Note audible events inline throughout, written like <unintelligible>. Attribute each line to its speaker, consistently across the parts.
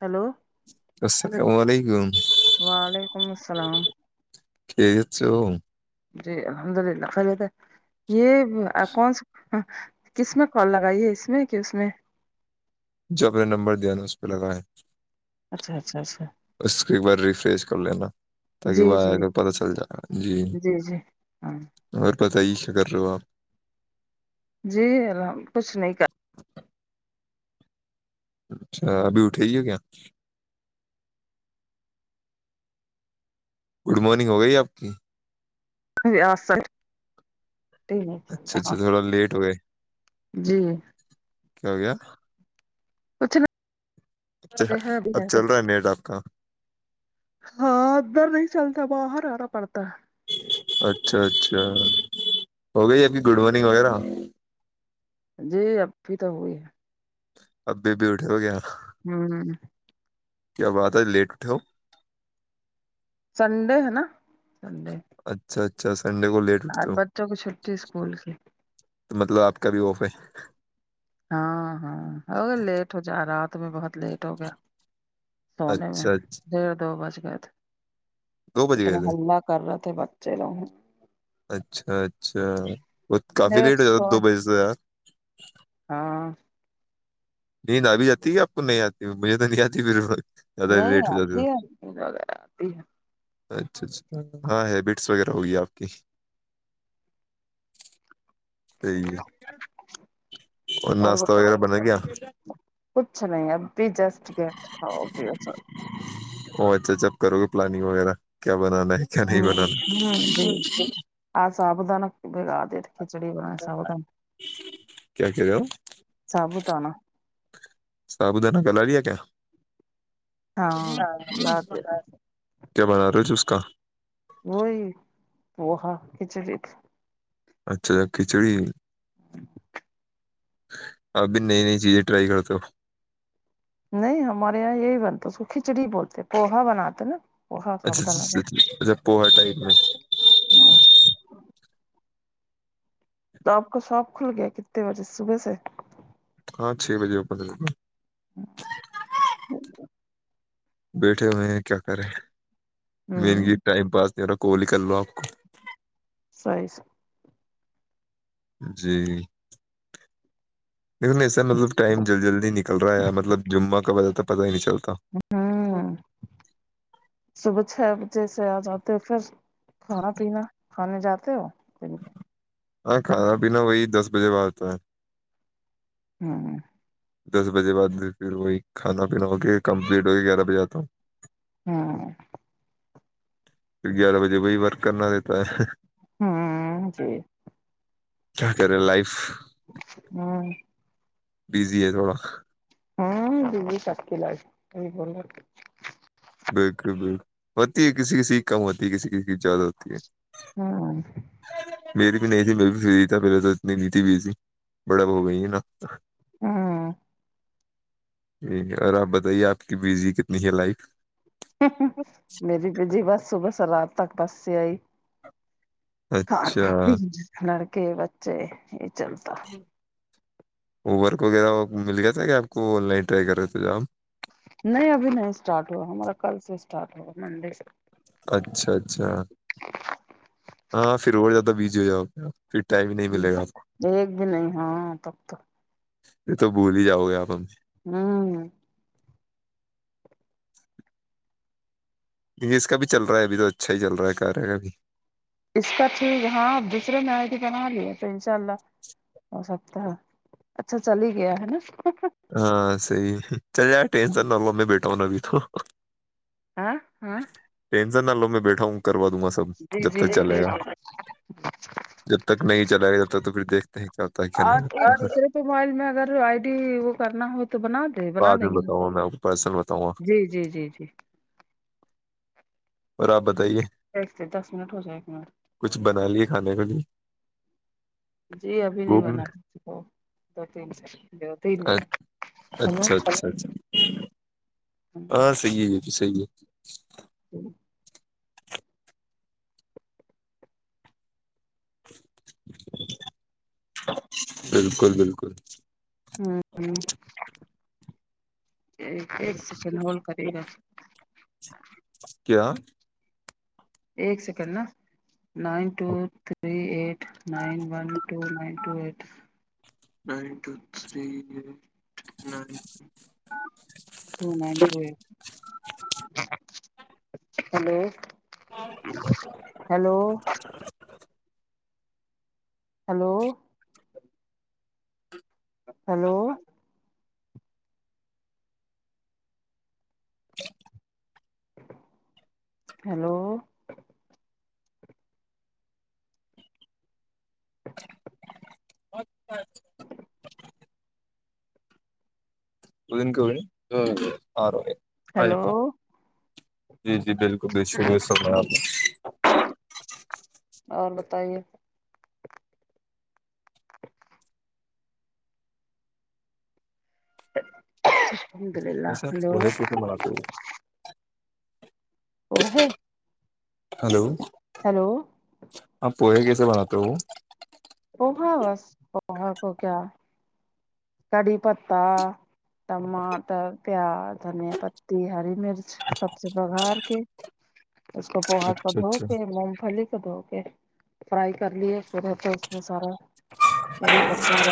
Speaker 1: Hello
Speaker 2: السلام علیکم
Speaker 1: وعلیکم السلام
Speaker 2: ٹھیک چ
Speaker 1: جی الحمد للہ خیلت یہ آپ کون سا ہاں کس میں کال لگائی ہے اس میں کہ اس میں
Speaker 2: جو اپ نے نمبر دیا نا اس پہ لگایا
Speaker 1: اچھا اچھا اچھا
Speaker 2: اس کو ایک بار ریفریش کر لینا تاکہ
Speaker 1: جی
Speaker 2: وہ آیا
Speaker 1: جی
Speaker 2: کر پتاہ چل جائے جی
Speaker 1: جی ہاں
Speaker 2: اور پت ہی ش کرر رہے ہو آپ
Speaker 1: جی الح کچھ نہیں کر
Speaker 2: اچھا ابھی اٹھے ہی ہے کیا گڈ مارننگ گئی آپ کی
Speaker 1: ہ
Speaker 2: اچھا اچھا تھوڑا لیٹ ہو گئے
Speaker 1: جی
Speaker 2: کیا ہو گیا
Speaker 1: کچھ نا
Speaker 2: اچھا اب چل رہا ہے نیٹ آپ کا
Speaker 1: ہاں ادھر نہیں چلتا باہر آرا پڑتا
Speaker 2: اچھا اچھا ہو گئی اب کی گڈ مارننگ وغیرہ
Speaker 1: جی ابھی تو ہوی ہے
Speaker 2: ابھی بیوٹے ہو گیا
Speaker 1: ھمم
Speaker 2: کیا بات ہے لیٹھا ہو
Speaker 1: سنڈے ہے نا سنڈے
Speaker 2: اچھا اچھا سنڈے کو لیٹ
Speaker 1: آ
Speaker 2: اٹھتے ہو
Speaker 1: بچوں کی چھٹی اسکول کی
Speaker 2: تو مطلب آپ کا بھی آف ہے
Speaker 1: ہاں ہاں ہو لیٹ ہو جا رات میں بہت لیٹ ہو گیا سونے میں
Speaker 2: اچھا اچھا
Speaker 1: ڈڑھ دو بج گئے تھے
Speaker 2: دو بج گئے
Speaker 1: اتنے
Speaker 2: تھے
Speaker 1: ہلہ کر رہے تھے بچے لوگ
Speaker 2: اچھا اچھا وہ کافی
Speaker 1: ڈیڑھ
Speaker 2: لیٹ ہو جاتا
Speaker 1: سو
Speaker 2: دو بجے سے
Speaker 1: ہاں
Speaker 2: نیند آ بھی جاتی ہے آپ کو نہیں آتی مجھے تو نہیں آتی ب
Speaker 1: نہیں آتی ہے آتی ہے
Speaker 2: اچھا اچھا ہاں ہیبٹس وغیرہ ہوگی آپ کی صحیح اور ناشتا وغیرہ بنے گیا
Speaker 1: کچھ نہیں ا جسٹ گ
Speaker 2: ا اچھا جب کرو گے پلاننگ وغیرہ کیا بنانا ہے کنہی با
Speaker 1: ہوں جی
Speaker 2: <unintelligible>
Speaker 1: آ ساابدان بگا دتے کھچڑی بنا ساابدان
Speaker 2: کیا کہہ رہے ہو
Speaker 1: سبودا نا
Speaker 2: سب اد ن کلالیا کیا
Speaker 1: ہاں لا دیا تھا
Speaker 2: کیا بنا رہے تھ اس کا
Speaker 1: وہی وہا کھچڑی
Speaker 2: اچھا اچھا کھچڑی
Speaker 1: <inaudible>
Speaker 2: اب بھی نئی نئی چیزیں ٹرائی کرتے ہو
Speaker 1: نہیں ہمارے یہاں یہی بنتا اس کو کھچڑی بولتے پوہا بناتے نا پوہا
Speaker 2: اچھا
Speaker 1: سابودانہ کا
Speaker 2: اچھا اچ اچھا پوہر ٹپ میں
Speaker 1: ہاں تو آپ کا شاپ کھل گیا کتنے بجے صبح سے
Speaker 2: ہاں چھ بجے اوپر رہ
Speaker 1: ہوں <unintelligible>
Speaker 2: بیٹھے ہوئے کیا کر رہے م
Speaker 1: ہوں
Speaker 2: کی ٹائم پاس نہیں ہو رہا کوال ن کر لو آپ کو
Speaker 1: سائز
Speaker 2: جی دیکن ایسا مطلب ٹائم جلدی جلدی نکل رہا ہے مطلب جمعہ کا وجہ تو پتاہ ہی نہیں چلتا
Speaker 1: ہوں صبح چھ بجے سے آ جاتے پھر کھانا پینا کھانے جاتے ہو دن میں
Speaker 2: ہاں کھانا پینا وہی دس بجے بع آتا ہے
Speaker 1: ھمم
Speaker 2: دس بجے بعد پھر وہی کھانا پینا ہو کے کمپلیٹ ہو کے گیارہ بجے آتا ہوں
Speaker 1: ہاں
Speaker 2: گیارہ بجے وہی ورک کرنا دیتا ہے
Speaker 1: ہوں جی <unintelligible>
Speaker 2: کیا کرے لائف
Speaker 1: ہاں <unintelligible>
Speaker 2: بزی ہے تھوڑا
Speaker 1: ہاں ججی ساتی لس بول
Speaker 2: بالکل بالکل ہوتی ہے کسی کسی کی کم ہوتی ہے کسی کسی کی زیادہ ہوتی ہے
Speaker 1: ہاں
Speaker 2: میری بھی نہیں تھی میں بھی فری تھا پہلے تو اتنی نہیں تھی بزی بڑب ہو گئی ہے نا
Speaker 1: ہاں
Speaker 2: جی اور آپ بتائیے آپ کی بزی کتنی ہے لائف
Speaker 1: میری بھی جی بس صبح س رات تک بس سے آئی کھان
Speaker 2: اچھا
Speaker 1: پ لڑکے بچے یہ چلتا
Speaker 2: اوبر کو وغیرہ مل گیا تھا کیا آپ کو آن لائن ٹرائی کر رہے تھ ج ہم
Speaker 1: نہیں ابھی نہیں اسٹارٹ ہوا ہمارا کل سے اسٹارٹ ہوا منڈے سے
Speaker 2: اچھا اچھا ہاں پھر اور زیادہ بزی ہو جاؤ گ پھر ٹائم ہی نہیں ملے گا آپ کو
Speaker 1: ہ ایک بھی نہیں ہاں تب توک <unintelligible>
Speaker 2: یہ تو بھول ہی جؤ گے آ ہم سے
Speaker 1: ہاں
Speaker 2: جی اس کا بھی چل رہا ہے اب تو اچھا ہی چل رہا ہے کار ہے کا بھی
Speaker 1: اس کا ٹھیک ہاں دوسرے می آ بھی بنا لیے تو انشاء اللہ ہو سکتا ہے اچھا چل ہی گیا ہے نا <unintelligible>
Speaker 2: ہاں صحی چل ار ٹینسن نہ لو میں بیٹھا ہوں نا ابھی تو
Speaker 1: آ ہاں <unintelligible>
Speaker 2: ٹینسن نہ لو میں بیٹھا ہوں کروا دوں گا سب
Speaker 1: جی
Speaker 2: جب
Speaker 1: جی
Speaker 2: تک
Speaker 1: جی
Speaker 2: چلے
Speaker 1: جی
Speaker 2: گا جب تک نہیں چلا گ جب تک تو پھر دیکھ ہیں کیا ہے کیا نہیں
Speaker 1: آپ
Speaker 2: ہوتا
Speaker 1: ایک دوسرے کو موبائل میں اگر آئی ڈی وہ کرنا ہو تو بنا تو بنا
Speaker 2: بعد میں
Speaker 1: دیں گے
Speaker 2: بتاؤں گا میں آپ کو پرسنل بتاؤں گا
Speaker 1: جی جی جی جی
Speaker 2: اور آپ بتائیے <unintelligible>
Speaker 1: د دس منٹ ہو جائے ایک منٹ
Speaker 2: کچھ بنا لیے کھانے کے لیے
Speaker 1: جی ابھی نہیں
Speaker 2: بھوک میں؟
Speaker 1: بنا دی دو تین س تین منٹ ہیلو
Speaker 2: اچھا اچھا اچھا ہاں صحی ہے جی صحی ہے
Speaker 1: جی <inaudible>
Speaker 2: بالکل بالکل
Speaker 1: ہوں ہ ایک س چ ن ہول کررے
Speaker 2: کیا <inaudible>
Speaker 1: ایک سیکنڈ نا نائن ٹو تھری ایٹ ٹ نٹ <unintelligible> to ninety hello <unintelligible> hello hello hello hello
Speaker 2: اچ اچھا
Speaker 1: ہ <unintelligible> <inaudible>
Speaker 2: وہ دن کے آ آ ج
Speaker 1: ہیلو
Speaker 2: جی جی بالکل دش ر سب آپ
Speaker 1: اور بتائیے <inaudible> <unintelligible> ال <unintelligible> <inaudible>
Speaker 2: ویسا وہ ہے کیسے بلاتے
Speaker 1: ا ہے <unintelligible>
Speaker 2: ہلو
Speaker 1: ہیلو
Speaker 2: ہپ پوہ کیسے بناتے ہو
Speaker 1: پوہا بس پوہا کو کیا کڑھی پتتا ٹماٹر پیاز دھنیا پتی ہری مرچ سب سے بگار کے اس کو پوہات کو
Speaker 2: اچھا
Speaker 1: دھو
Speaker 2: اچھا
Speaker 1: کے مونگ پھلی دھو کے فرائی کر لیے پھر ا اس میں سارا کڑھی پت ر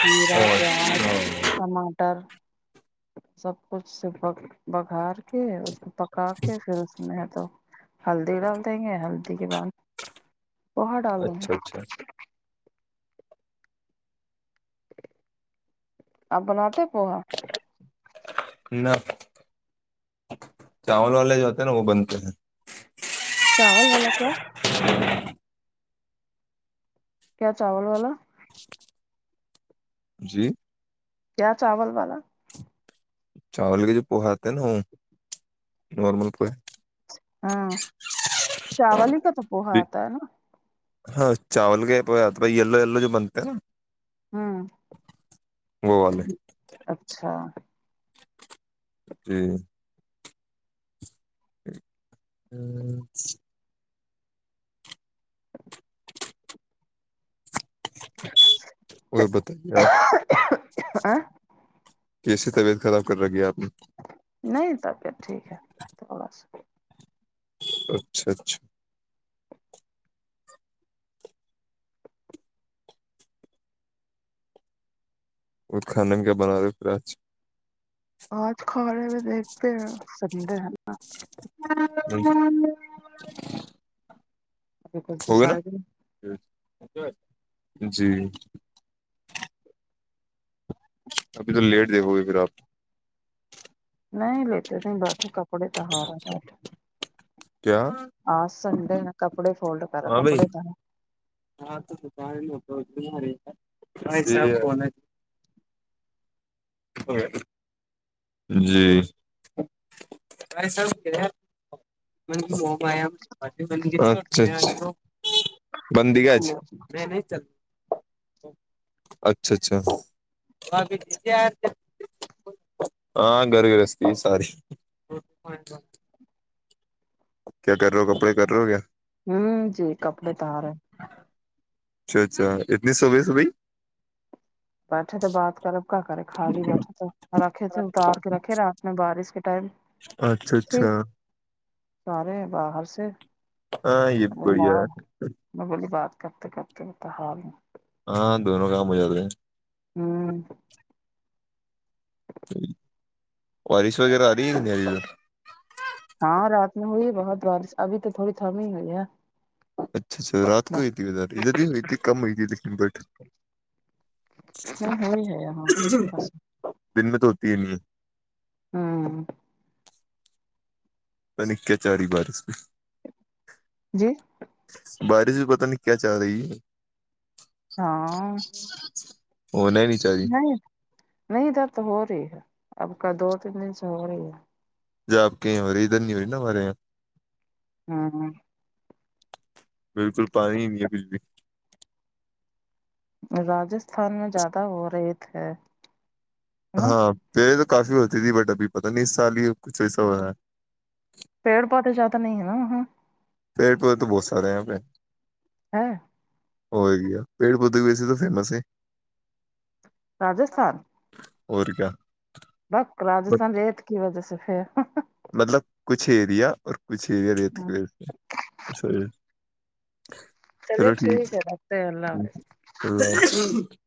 Speaker 1: جیرا پیاز ٹماٹر سب کچھ سے ب بگھار کے اس پکا کے پھر اس میں ہے تو ہلدی ڈال دیں گے ہلدی کے بعد وہاں ڈال دیں گے
Speaker 2: اچھا اچھا
Speaker 1: آپ بناتے پوگا
Speaker 2: نا <unintelligible> <inaudible> چاول والے جو ہوتے نا وہ بنتے ہیں
Speaker 1: چاول والا کیا
Speaker 2: <inaudible>
Speaker 1: کیا چاول والا
Speaker 2: جی
Speaker 1: کیا چاول والا
Speaker 2: چاول کے جو پوہاتے نا وہ نارمل پوہ
Speaker 1: ہاں چاول ہی کا تو
Speaker 2: جی
Speaker 1: پوہات آ تھا ہے نا
Speaker 2: ہاں چاول گائی یلو یلو جو بنتے ہیں نا
Speaker 1: ہوں
Speaker 2: وہ والے
Speaker 1: اچھا
Speaker 2: ج <unintelligible> ہ <unintelligible> <inaudible> وہ بتائیے آپ کیسی طبیعت خراب کر رک ہے آپ نے
Speaker 1: نہیں تبت ٹھیک ہے تو اللہ شکریہ
Speaker 2: اچھا اچھا اور کھانے میں کیا بنا رہے پھر آج
Speaker 1: آج کڑے میں دیکھتے ہیں سن ہیں ا کلتے سا <unintelligible> <inaudible>
Speaker 2: ج جی <unintelligible> ابھی تو لیٹ دیکھو گے پھر آپ
Speaker 1: نہیں بیٹے نہیں بیٹھے کپڑے توہارا بیٹھے
Speaker 2: کیا
Speaker 1: آ سنڈے ن کپڑے فولڈ کر
Speaker 2: ہاں بھائی
Speaker 1: کپڑے ت
Speaker 2: ہاں تو سکار ہوو تمہارے فنا <unintelligible> جی <unintelligible> م مبیا اچھا اچھا بندی گج نہیں اچھا اچھا <unintelligible> ہاں گھر گھرستھی ساری <unintelligible> <inaudible> کیا کر رہ ہو کپڑے کر رہے ہو کیا
Speaker 1: ہوں جی کپڑے تو آ رہے ہیں
Speaker 2: اچھا اچھا اتنی سو گی س بھائی
Speaker 1: بیٹھے تو بات کرب کیا کریں خالی بیٹھے تو رکھے تھے اتار کے رکھے رات میں بارش کے ٹائم
Speaker 2: اچھا
Speaker 1: تھی
Speaker 2: اچھا
Speaker 1: سارے ہیں باہر سے
Speaker 2: ہاں یہ بھی بڑھیا ہے
Speaker 1: میں بولی بات کرتے کرتے ہوتا حال ہوں
Speaker 2: ہاں دونوں کام ہو جاتے ہیں
Speaker 1: <inaudible>
Speaker 2: وارش وغیرہ آ رہ نہیں ا
Speaker 1: ہاں رات میں ہوئی ہے بہت بارش ابھی تو تھوڑی تھمی ہوئی ہے
Speaker 2: اچھا اچھا رات کو ہوئی تھی ادھر ادھر ہی ہوئی تھی کم ہوئی تھی لیکن بٹ
Speaker 1: ہ وہی ہے ہماں کچھے پاس
Speaker 2: دن میں تو ہوتی ہی نہیں ہے
Speaker 1: <inaudible>
Speaker 2: پ نک کیا چاری بارس
Speaker 1: جی
Speaker 2: بارش بھی پت نہیں کیا چاہ رہی ہے
Speaker 1: ہاں
Speaker 2: ہو نہیں نہیں چاہ رہی
Speaker 1: نہیں نہیں ادھر تو ہو رہی ہے اب کا دو تین دن سے ہو رہی ہے
Speaker 2: ج آب کہیں ہو رہی ادھر نہیں ہو رہی نا ہمارے یہاں
Speaker 1: ہاں
Speaker 2: بالکل پانیی ہے بجلی
Speaker 1: راجستھان میں زیادہ ہو رہے تھے نا
Speaker 2: ہاں پہلے تو کافی ہوتی تھی بٹ ابھی پتا نہیں اس سال ہی کچھ ایسا ہو رہا ہے
Speaker 1: پیڑ پودے زیاد نہیں ہے نا وہاں
Speaker 2: پیڑ پیڑے تو بہت سارے یہاں پہ
Speaker 1: <inaudible>
Speaker 2: وہ ہےگی ہے پیڑ پودے بھی اسسی تو فیمس ہے
Speaker 1: راجستھان
Speaker 2: اور کیا
Speaker 1: بس
Speaker 2: بٹ
Speaker 1: راستھان ریت کی وجہ سے پھر
Speaker 2: مطلب کچھ ایریا اور کچھ ایریا رت کی وج سے <inaudible>
Speaker 1: چلیے ٹھیک ہے رکھتے ہیں اللہ حافظ
Speaker 2: <inaudible>